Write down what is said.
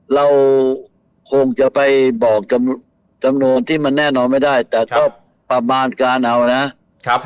เราคงจะไปบอกจำนวนที่มันแน่นอนไม่ได้แต่ก็ประมาณการเอานะครับ